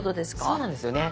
そうなんですよね。